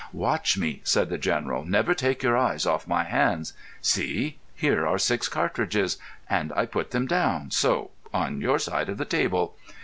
"Watch me," said the General. "Never take your eyes off my hands. See! Here are six cartridges—and I put them down, so—on your side of the table."